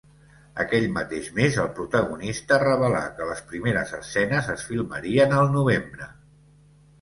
Aquell mateix mes el protagonista revelà que les primeres escenes es filmarien al novembre.